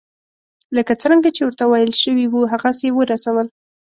لکه څرنګه چې ورته ویل شوي وو هغسې یې ورسول.